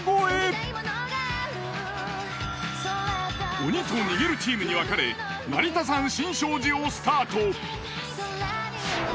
鬼と逃げるチームに分かれ成田山新勝寺をスタート。